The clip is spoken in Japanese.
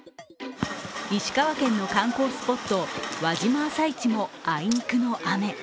石川県の観光スポット、輪島朝市もあいにくの雨。